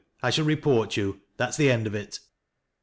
I shall report you. That'i the end of it."